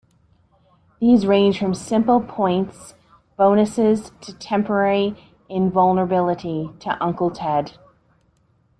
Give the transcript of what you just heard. These range from simple points bonuses to temporary invulnerability, to Uncle Ted.